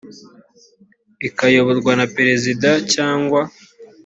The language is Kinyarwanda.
ikayoborwa na perezida cyangwa